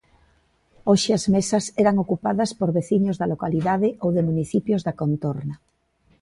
Hoxe as mesas eran ocupadas por veciños da localidade ou de municipios da contorna.